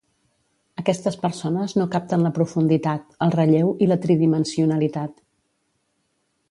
Aquestes persones no capten la profunditat, el relleu i la tridimensionalitat.